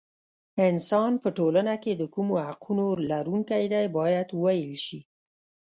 انسان په ټولنه کې د کومو حقونو لرونکی دی باید وویل شي.